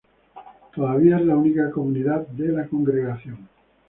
Todavía es la única comunidad de la congregación.